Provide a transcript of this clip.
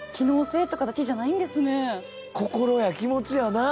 心や気持ちやな。